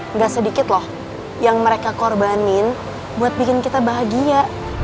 nggak sedikit loh yang mereka korbanin buat bikin kita bahagia